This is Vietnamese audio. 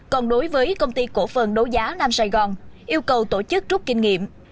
còn đối với công ty cổ phần đấu giá nam sài gòn yêu cầu tổ chức rút kinh nghiệm